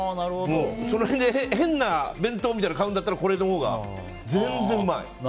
その辺で変な弁当みたいなの買うんだったら、これのほうが全然うまい！